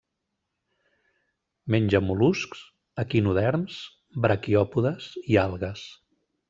Menja mol·luscs, equinoderms, braquiòpodes i algues.